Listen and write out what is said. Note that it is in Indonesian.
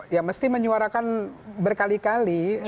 ya mesti menyuarakan berkali kali